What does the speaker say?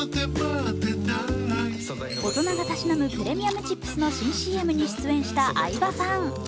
大人がたしなむプレミアムチップスの新ＣＭに出演した相葉さん。